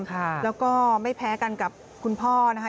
แล้วก็ไม่แพ้กันกับคุณพ่อนะคะ